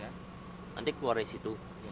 nanti keluar dari situ